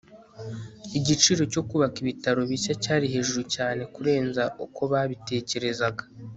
Igiciro cyo kubaka ibitaro bishya cyari hejuru cyane kurenza uko babitekerezaga